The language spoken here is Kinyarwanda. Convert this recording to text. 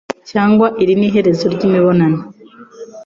Cyangwa iri n'iherezo ry'imibonano